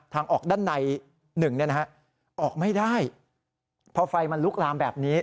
ทางออกด้านใน๑ออกไม่ได้เพราะไฟมันลุกลามแบบนี้